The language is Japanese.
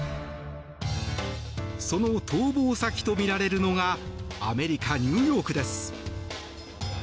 その逃亡先とみられるのがアメリカ・ニューヨークです。